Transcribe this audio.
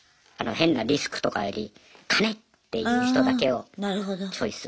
変なリスクとかより金！っていう人だけをチョイス。